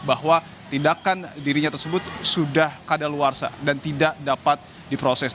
bahkan dirinya tersebut sudah kadaluarsa dan tidak dapat diproses